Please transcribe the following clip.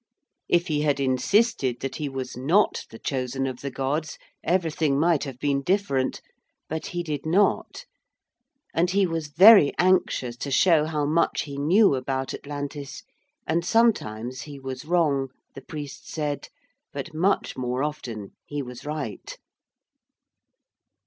If he had insisted that he was not the Chosen of the Gods everything might have been different. But he did not. And he was very anxious to show how much he knew about Atlantis. And sometimes he was wrong, the Priest said, but much more often he was right.